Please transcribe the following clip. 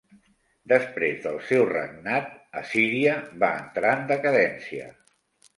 Després del seu regnat Assíria va entrar en decadència.